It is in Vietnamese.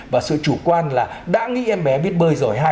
và sự chủ quan là đã nghĩ em bé biết bơi rồi